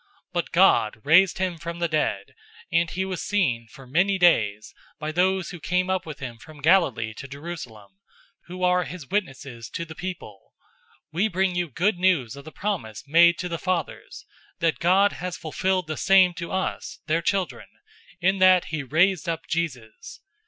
013:030 But God raised him from the dead, 013:031 and he was seen for many days by those who came up with him from Galilee to Jerusalem, who are his witnesses to the people. 013:032 We bring you good news of the promise made to the fathers, 013:033 that God has fulfilled the same to us, their children, in that he raised up Jesus.